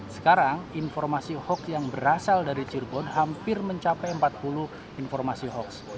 sekarang informasi hoax yang berasal dari cirebon hampir mencapai empat puluh informasi hoax